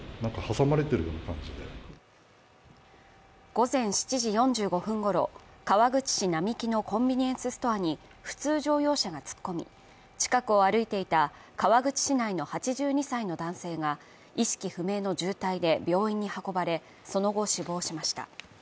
午前７時４５分ごろ、川口市並木のコンビニエンスストアに普通乗用車が突っ込み、近くを歩いていた川口市内の８２歳の男性が意識不明の重体で病院に運ばれ、その後、死亡しました。